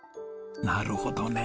なるほどね。